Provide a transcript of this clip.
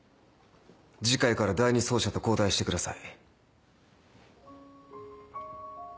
次回から第２奏者と交代してください。